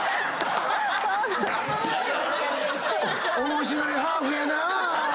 面白いハーフやなぁ。